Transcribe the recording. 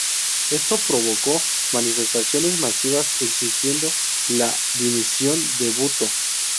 Esto provocó manifestaciones masivas exigiendo la dimisión de Bhutto.